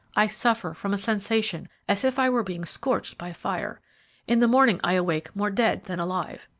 I suffer from a sensation as if I were being scorched by fire. In the morning I awake more dead than alive.